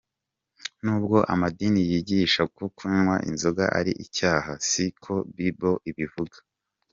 Nubwo amadini yigisha ko "kunywa inzoga ari icyaha",siko Bible ivuga.